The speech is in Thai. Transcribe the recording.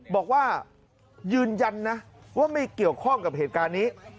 บอกว่ายืนยันนะว่าไม่เกี่ยวข้องกับเหตุการณ์นี้